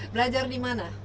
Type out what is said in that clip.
belajar di mana